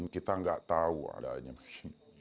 kita nggak tahu ada aja